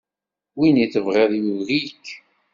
Win i tebɣiḍ yugi-k.